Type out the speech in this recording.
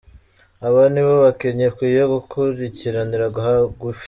Aba ni bo bakinyi ukwiye gukurikiranira hagufi:.